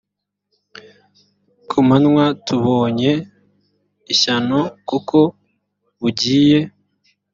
ku manywa tubonye ishyano kuko bugiye